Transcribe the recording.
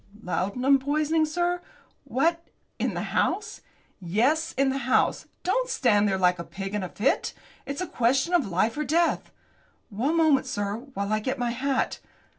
"Laudanum poisoning, sir! What, in the house?" "Yes, in the house. Don't stand there like a pig in a fit. It's a question of life or death!" "One moment, sir, while I get my hat."